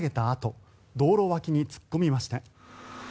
あと道路脇に突っ込みました。